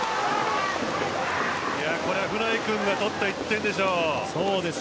これは布台君が取った１点でしょう。